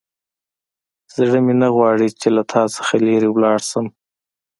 زړه مې نه غواړي چې له تا څخه لیرې لاړ شم.